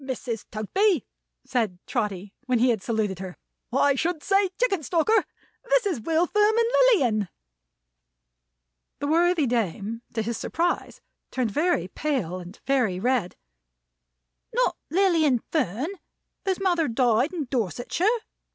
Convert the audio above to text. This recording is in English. Mrs. Tugby," said Trotty, when he had saluted her "I should say Chickenstalker this is William Fern and Lilian." The worthy dame, to his surprise, turned very pale and very red. "Not Lilian Fern, whose mother died in Dorsetshire?"